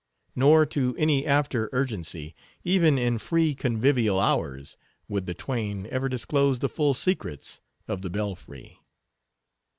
Nor to any after urgency, even in free convivial hours, would the twain ever disclose the full secrets of the belfry.